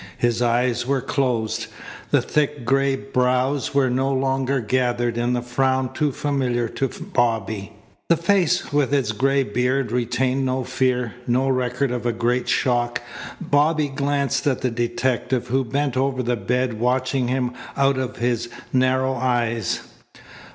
His eyes were closed. The thick gray brows were no longer gathered in the frown too familiar to Bobby. The face with its gray beard retained no fear, no record of a great shock. Bobby glanced at the detective who bent over the bed watching him out of his narrow eyes.